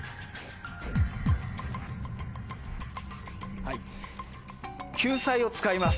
はい救済を使います。